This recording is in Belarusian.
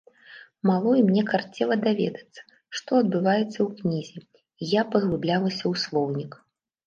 Малой, мне карцела даведацца, што адбываецца ў кнізе, і я паглыблялася ў слоўнік.